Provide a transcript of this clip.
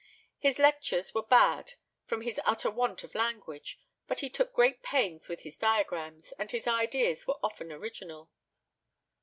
His lectures were bad, from his utter want of language, but he took great pains with his diagrams, and his ideas were often original.